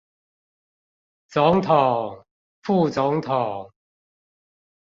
總統、副總統